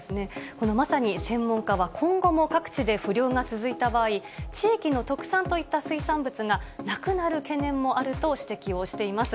このまさに専門家は、今後も各地で不漁が続いた場合、地域の特産といった水産物がなくなる懸念もあると指摘をしています。